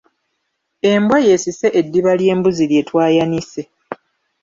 Embwa y'esise eddiba ly'embuzi lye twayanise.